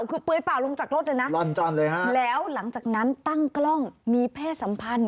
คือเปลือยเปล่าลงจากรถเลยนะแล้วหลังจากนั้นตั้งกล้องมีเพศสัมพันธ์